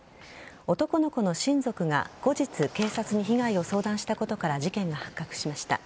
男の子の親族が後日、警察に被害を相談したことから事件が発覚しました。